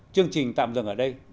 chương trình tạm dừng ở đây